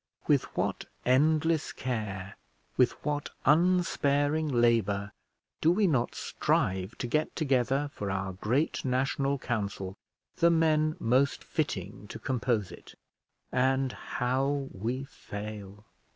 With what endless care, with what unsparing labour, do we not strive to get together for our great national council the men most fitting to compose it. And how we fail!